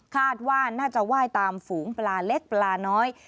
คาดว่าน่าจะไหว้ตามฝูงปลาเล็กปลาน้อย